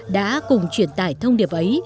đã cùng truyền tải thông điệp ấy